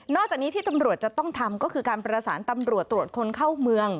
จากนี้ที่ตำรวจจะต้องทำก็คือการประสานตำรวจตรวจคนเข้าเมือง